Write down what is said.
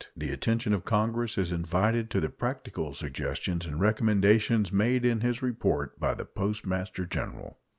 The attention of Congress is invited to the practical suggestions and recommendations made in his report by the Postmaster General.